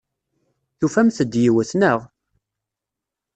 Tufamt-d yiwet, naɣ?